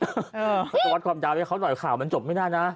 เขาจะวัดความยาวให้เขาหน่อยข่าวมันจบไม่ได้นะ